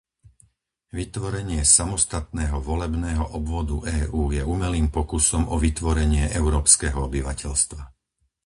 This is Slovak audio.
Vytvorenie samostatného volebného obvodu EÚ je umelým pokusom o vytvorenie európskeho obyvateľstva.